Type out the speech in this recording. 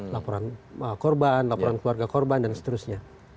laporan korban laporan keluarga korban dan seterusnya